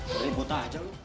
beributa aja lo